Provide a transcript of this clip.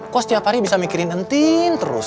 kok tiap hari bisa mikirin whisky terus